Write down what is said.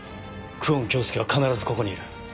久遠京介は必ずここにいる。